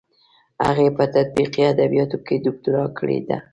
هغې په تطبیقي ادبیاتو کې دوکتورا کړې ده.